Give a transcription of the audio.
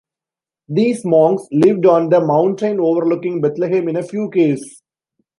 These monks lived on the mountain overlooking Bethlehem in a few caves.